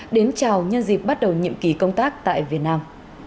đến chào nhân dịp bắt đầu nhiệm kỳ công tác tại việt nam